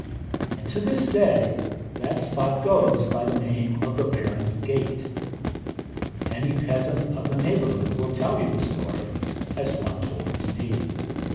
And to this day that spot goes by the name of Llidiart y Barwn (the Baron's Gate); any peasant of the neighbourhood will tell you the story, as one told it to me.